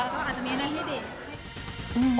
ก็อาจจะมีอันให้เด็ก